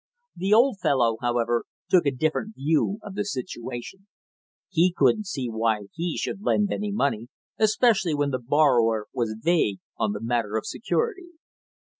The old fellow, however, took a different view of the situation; he couldn't see why he should lend any money, especially when the borrower was vague on the matter of security.